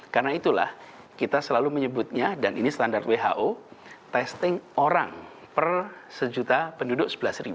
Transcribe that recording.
karena itulah kita selalu menyebutnya dan ini standar who testing orang per sejuta penduduk sebelas